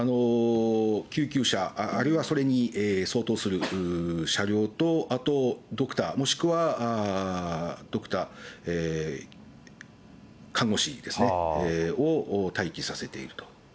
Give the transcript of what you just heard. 救急車、あるいはそれに相当する車両と、あとドクター、もしくは看護師を待機させていると。